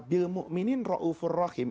bilmu'minin ra'ufun rahim